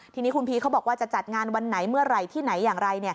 ทีนี้คุณพีชเขาบอกว่าจะจัดงานวันไหนเมื่อไหร่ที่ไหนอย่างไร